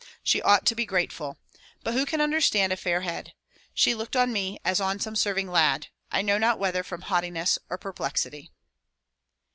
She ought to be grateful. But who can understand a fair head? She looked on me as on some serving lad, I know not whether from haughtiness or perplexity."